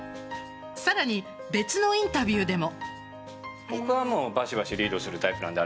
さらに別のインタビューでも。